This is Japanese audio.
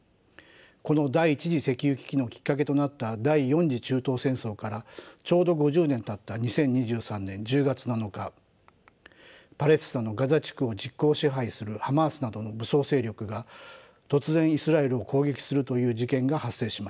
この第１次石油危機のきっかけとなった第４次中東戦争からちょうど５０年たった２０２３年１０月７日パレスチナのガザ地区を実効支配するハマースなどの武装勢力が突然イスラエルを攻撃するという事件が発生しました。